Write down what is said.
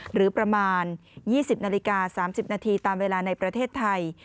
หรือประมาณ๒๐นาฬิกา๓๐นาทีตามเวลาในประเทศไทย